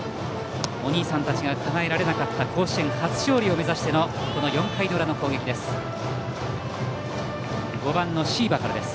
お兄さんたちがかなえられなかった甲子園初勝利を目指してのこの４回の裏の攻撃です。